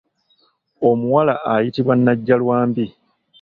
Omuwala ayitibwa nnajjalwambi.